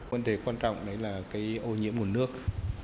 vấn đề quan trọng là ô nhiễm nguồn nước